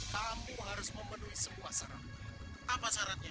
kamu harus memenuhi semua syarat apa syaratnya